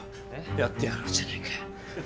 やってやろうじゃないか。